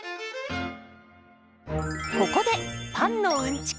ここでパンのうんちく